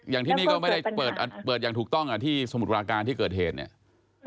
อย่างที่นี่ก็ไม่ได้เปิดอย่างถูกต้องที่สมุทรปราการที่เกิดเหตุเนี่ย